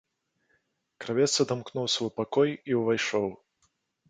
Кравец адамкнуў свой пакой і ўвайшоў.